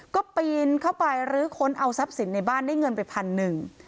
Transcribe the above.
ก็ปีนเข้าไปรื้อค้นเอาทรัพย์สินในบ้านได้เงินไปพันหนึ่ง